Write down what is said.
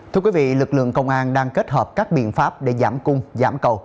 thưa quý vị lực lượng công an đang kết hợp các biện pháp để giảm cung giảm cầu